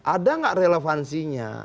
ada enggak relevansinya